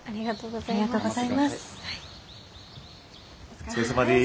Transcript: お疲れさまです。